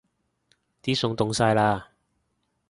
啲餸凍晒喇